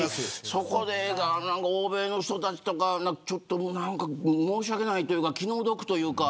そこで欧米の人たちとか申し訳ない、気の毒というか。